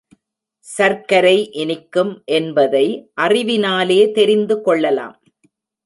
சர்க்கரை இனிக்கும் என்பதை அறிவினாலே தெரிந்து கொள்ளலாம்.